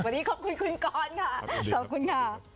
วันนี้ขอบคุณคุณก้อนค่ะสวัสดีค่ะ